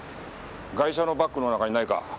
ガイシャのバッグの中にないか？